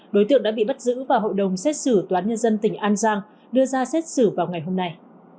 đối tượng đã bị bắt giữ vào hội đồng xét xử toán nhân dân tỉnh an giang đưa ra xét xử vào ngày hôm nay